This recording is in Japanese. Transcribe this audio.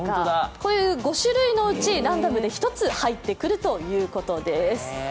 こういう５種類のうちランダムで１つ入ってくるということです。